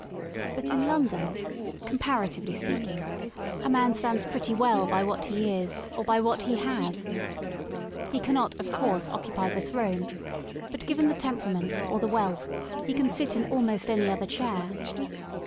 * But in London, comparatively speaking, a man M stands pretty well by what he is or by what he has. /I He cannot, of course, occupy the throne but, given the tj temperament or the wealth he can sit in almost any j* other chair.